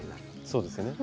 そうですよね。